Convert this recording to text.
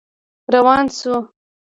روان شو.